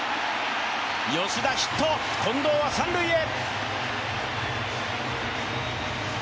吉田ヒット、近藤は三塁へ。